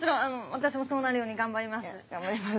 私もそうなるように頑張ります。